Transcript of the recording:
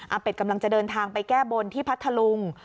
เป็ดกำลังจะเดินทางไปแก้บนที่พัทธลุง